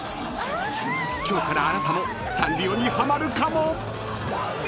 ［今日からあなたもサンリオにハマるかも⁉］